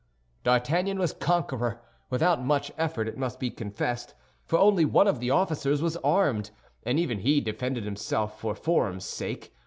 D'Artagnan was conqueror—without much effort, it must be confessed, for only one of the officers was armed, and even he defended himself for form's sake.